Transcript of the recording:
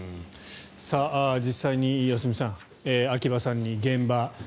実際に良純さん秋葉さんに現場。